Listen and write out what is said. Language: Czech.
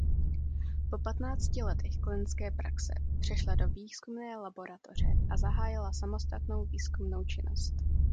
Po patnácti letech klinické praxe přešla do výzkumné laboratoře a zahájila samostatnou výzkumnou činnost.